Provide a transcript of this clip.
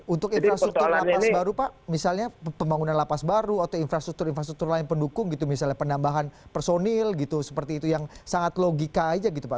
untuk infrastruktur lapas baru pak misalnya pembangunan lapas baru atau infrastruktur infrastruktur lain pendukung gitu misalnya penambahan personil gitu seperti itu yang sangat logika aja gitu pak